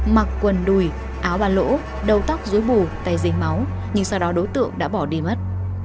mặc quần đùi áo bà lỗ đầu tóc dưới bù tay dính máu nhưng sau đó đối tượng đã bỏ đi mất